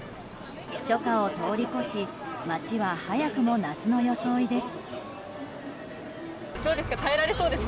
初夏を通り越し街は早くも夏の装いです。